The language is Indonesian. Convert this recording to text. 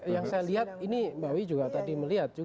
yang saya lihat ini mbak wi juga tadi melihat